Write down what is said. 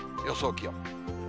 予想気温。